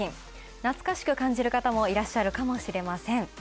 懐かしく感じる方もいらっしゃるかたもいるかもしれません。